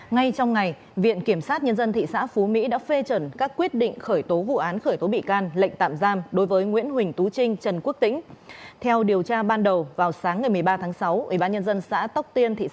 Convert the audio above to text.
ngay trong ngày viện kiểm sát nhân dân thị xã phú mỹ đã phê trần các quyết định khởi tố vụ án khởi tố bị can lệnh tạm giam đối với nguyễn huỳnh tú trinh trần quốc tĩnh